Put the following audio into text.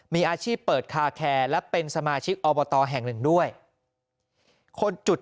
มีอาชีพเปิดคาแคร์และเป็นสมาชิกอบตแห่งหนึ่งด้วยคนจุด